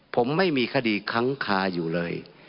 ผมไม่มีคดีค้างคาอยู่เลย